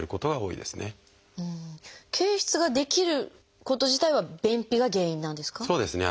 憩室が出来ること自体は便秘が原因なんですか？